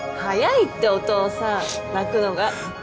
早いってお父さん泣くのが。